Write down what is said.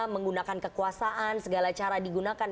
menggunakan kekuasaan segala cara digunakan